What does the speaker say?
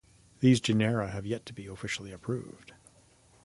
These genera have yet to be officially approved.